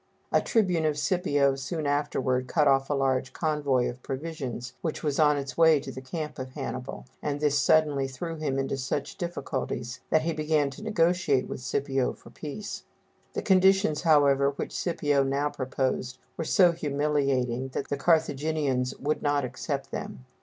A tribune of Scipio soon afterward cut off a large convoy of provisions which was on its way to the camp of Hannibal, and this suddenly threw him into such difficulties that he began to negotiate with Scipio for peace. The conditions, however, which Scipio now proposed were so humiliating, that the Carthaginians would not accept them.